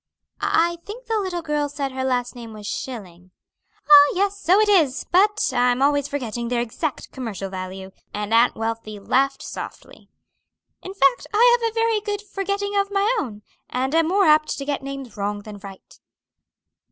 "I think the little girl said her last name was Schilling." "Ah, yes, so it is: but I'm always forgetting their exact commercial value," and Aunt Wealthy laughed softly. "In fact, I've a very good forgetting of my own, and am more apt to get names wrong than right."